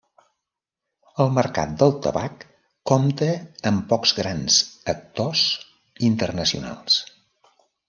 El mercat del tabac compta amb pocs grans actors internacionals.